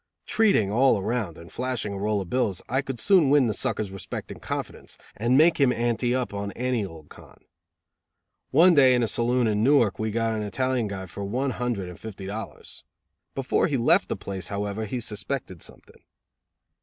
Treating all around and flashing a roll of bills I could soon win the sucker's respect and confidence, and make him ante up on any old con. One day in a saloon in Newark we got an Italian guy for one hundred and fifty dollars. Before he left the place, however, he suspected something.